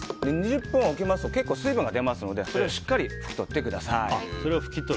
２０分置きますと結構、水分が出ますのでこれをしっかり拭き取ってください。